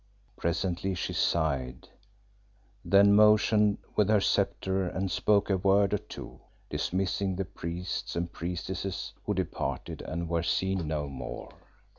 Presently she sighed, then motioned with her sceptre and spoke a word or two, dismissing the priests and priestesses, who departed and were seen no more.